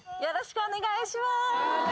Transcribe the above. よろしくお願いします。